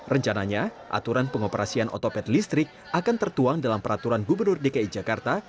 rencananya aturan pengoperasian otopet listrik akan tertuang dalam peraturan gubernur dki jakarta